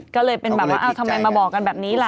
ก็เลยเป็นแบบว่าทำไมมาบอกกันแบบนี้ล่ะ